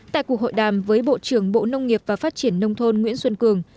tại cuộc hội đàm với bộ trưởng bộ nông nghiệp và phát triển nông thôn nguyễn xuân cường